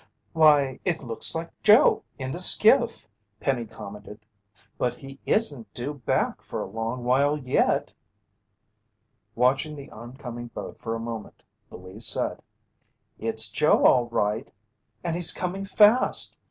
"Why, it looks like Joe in the skiff!" Penny commented. "But he isn't due back for a long while yet." Watching the oncoming boat for a moment, Louise said: "It's Joe all right, and he's coming fast.